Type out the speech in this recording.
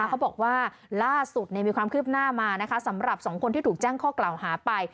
เขาบอกว่าล่าสุดมีความคืบหน้ามานะคะสำหรับสองคนที่ถูกแจ้งข้อกล่าวหาไป